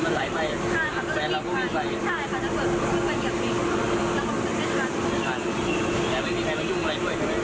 มีใครมายุ่งไว้ด้วย